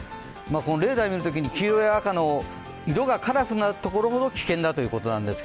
レーダーを見るときに黄色や赤、カラフルになるところほど危険だということなんです。